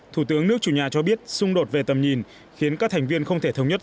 thủ tướng nước chủ nhà cho biết xung đột về tầm nhìn khiến các thành viên không thể thống nhất